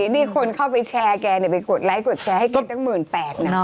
นี่คนเข้าไปแชร์แกไปกดไลค์กดแชร์ให้แกต้องหมื่นแปลกนะ